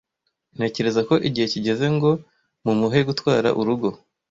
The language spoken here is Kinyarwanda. Ntekereza ko igihe kigeze ngo mumuhe gutwara urugo.